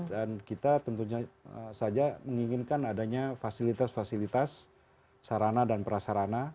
dan kita tentunya saja menginginkan adanya fasilitas fasilitas sarana dan prasarana